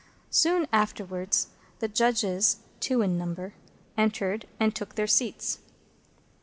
Soon afterwards the Judges, two in number, entered, and took their seats.